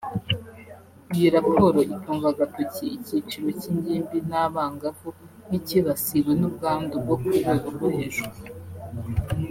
Iyi raporo itunga agatoki icyiciro cy’ingimbi n’abangavu nk’icyibasiwe n’ubwandu bwo ku rwego rwo hejuru